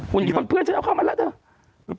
คุณเพื่อนฉันเอาเข้ามาแล้วเถอะ